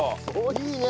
いいね！